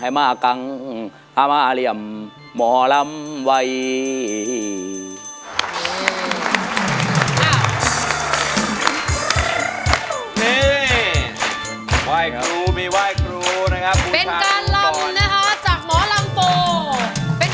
โอเคดูรอยหน้ารอยตาซะก่อน